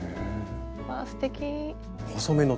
わすてき。